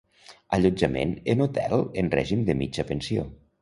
Allotjament en hotel en règim de mitja pensió.